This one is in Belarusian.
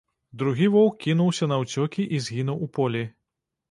Другі воўк кінуўся наўцёкі і згінуў у полі.